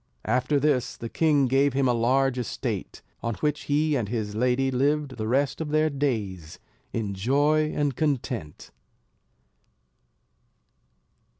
After this the king gave him a large estate; on which he and his lady lived the rest of their days, in joy and content.